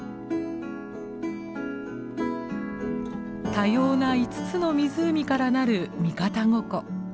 多様な５つの湖からなる三方五湖。